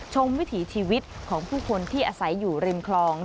วิถีชีวิตของผู้คนที่อาศัยอยู่ริมคลอง